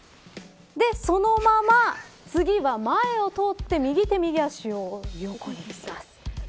そのまま次は、前を通って右手右足を横にだす。